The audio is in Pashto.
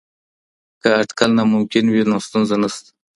که اټکل ناممکن وي نو ستونزه نسته.